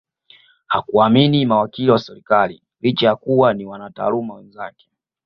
Hakuwaamini mawakili wa serikali licha ya kuwa ni wanataaluma wenzake